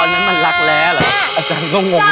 นั้นมันรักแร้เหรออาจารย์ก็งง